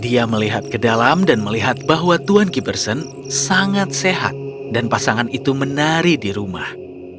dia melihat ke dalam dan melihat bahwa tuan giberson sangat sehat dan pasangan itu menari di rumah